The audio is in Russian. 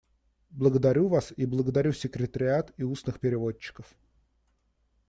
Благодарю вас и благодарю секретариат и устных переводчиков.